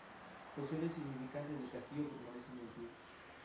Porciones significantes del castillo permanecen en pie.